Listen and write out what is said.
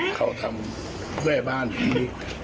เขาทำแม่บ้านนี้